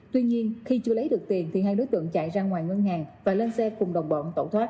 tuy nhiên khi chưa lấy được tiền thì hai đối tượng chạy ra ngoài ngân hàng và lên xe cùng đồng bọn tẩu thoát